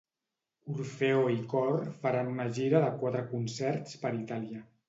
Orfeó i Cor faran una gira de quatre concerts per Itàlia.